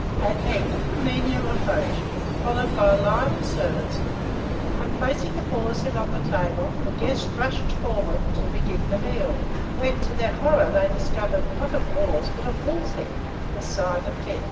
At length a menial approached, followed by a line of servants, and placing the boar's head on the table, the guests rushed forward to begin the meal; when, to their horror, they discovered, not a boar's but a bull's head, a sign of death.